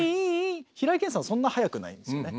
平井堅さんはそんな速くないんですよね。